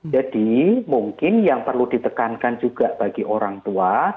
jadi mungkin yang perlu ditekankan juga bagi orang tua